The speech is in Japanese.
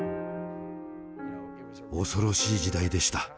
恐ろしい時代でした。